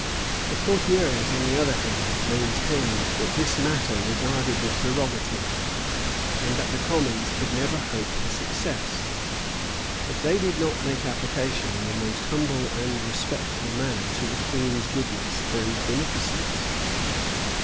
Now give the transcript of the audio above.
The courtiers, on the other hand, maintained, that this matter regarded the prerogative, and that the commons could never hope for success, if they did not make application, in the most humble and respectful manner, to the queen's goodness and beneficence.